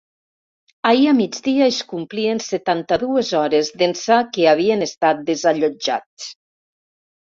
Ahir a migdia es complien setanta-dues hores d’ençà que havien estat desallotjats.